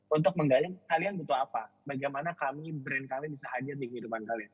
untuk menggali kalian butuh apa bagaimana kami brand kami bisa hadir di kehidupan kalian